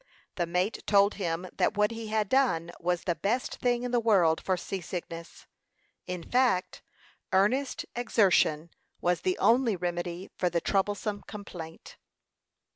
The mate told him that what he had done was the best thing in the world for seasickness; in fact, earnest exertion was the only remedy for the troublesome complaint.